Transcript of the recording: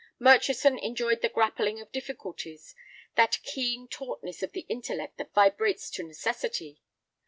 Murchison enjoyed the grappling of difficulties, that keen tautness of the intellect that vibrates to necessity.